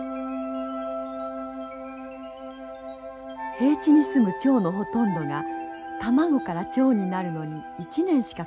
平地にすむチョウのほとんどが卵からチョウになるのに１年しかかかりません。